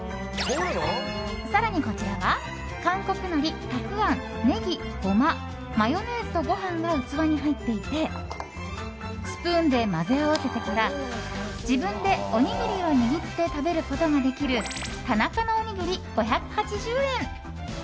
更に、こちらは韓国のりたくあん、ネギ、ゴママヨネーズとご飯が器に入っていてスプーンで混ぜ合わせてから自分でおにぎりを握って食べることができる田中のおにぎり、５８０円。